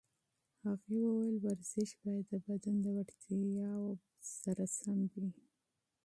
هغې وویل ورزش باید د بدن د وړتیاوو مطابق وي.